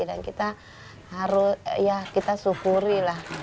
dan kita harus ya kita syukur lah